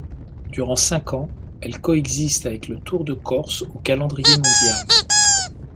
Durant cinq ans elle coexiste avec le tour de Corse au calendrier mondial.